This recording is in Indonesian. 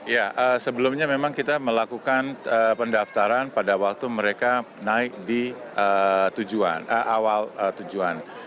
ya sebelumnya memang kita melakukan pendaftaran pada waktu mereka naik di awal tujuan